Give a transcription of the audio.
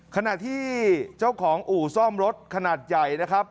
ขณะที่เจ้าของอู่ซ่อมรถขนาดใหญ่นะครับ